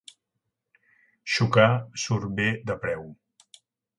Xocar surt bé de preu.